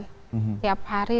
tiap hari tiap hari